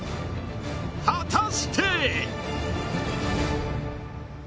［果たして？］